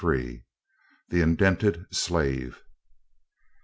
THE INDENTED SLAVE.